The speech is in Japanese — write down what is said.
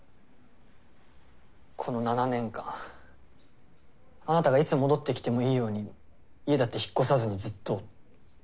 この７年間あなたがいつ戻ってきてもいいように家だって引っ越さずにずっと。